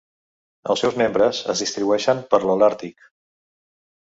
Els seus membres es distribueixen per l'Holàrtic.